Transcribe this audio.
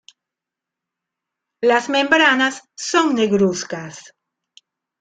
Las membranas son negruzcas.